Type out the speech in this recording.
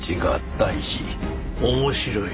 面白い。